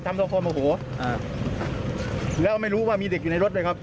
ทำทุกคนโอ้โหอ่าแล้วไม่รู้ว่ามีเด็กอยู่ในรถเลยครับ